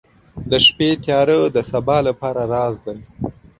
• د شپې تیاره د سبا لپاره راز لري.